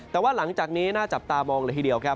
แต่ว่าหลังจากนี้น่าจับตามองเลยทีเดียวครับ